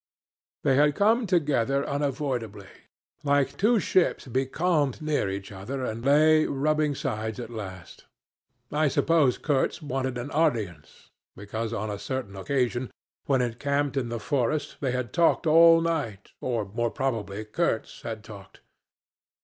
"They had come together unavoidably, like two ships becalmed near each other, and lay rubbing sides at last. I suppose Kurtz wanted an audience, because on a certain occasion, when encamped in the forest, they had talked all night, or more probably Kurtz had talked.